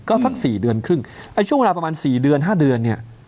ก็สัก๔เดือนครึ่งไอ้ช่วงเวลาประมาณ๔เดือน๕เดือนเนี่ย